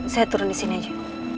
saya turun di sini aja